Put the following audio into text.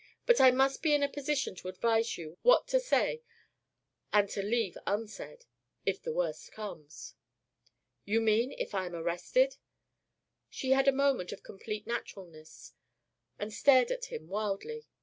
But I must be in a position to advise you what to say and to leave unsaid if the worst comes." "You mean if I am arrested?" She had a moment of complete naturalness, and stared at him wildly.